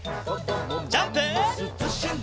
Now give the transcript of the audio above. ジャンプ！